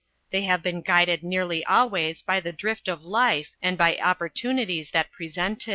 They have been guided nearly always by the drift of life and by opportunities that presented.